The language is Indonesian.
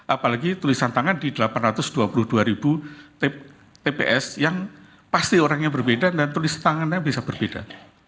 apalagi tulisan tangan di delapan ratus dua puluh dua ribu tps yang pasti orangnya berbeda dan tulis tangannya bisa berbeda